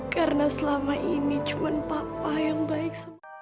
karena selama ini cuma papa yang baik